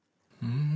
うん。